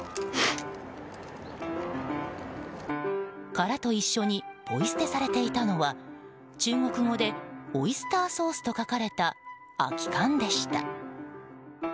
殻と一緒にポイ捨てされていたのは中国語でオイスターソースと書かれた空き缶でした。